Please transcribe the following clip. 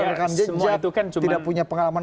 rekam jejak tidak punya pengalaman